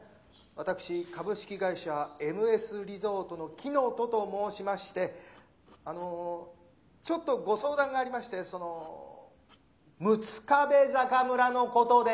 私株式会社エムエスリゾートの乙と申しましてあのォちょっとご相談がありましてそのォ「六壁坂村」のことで。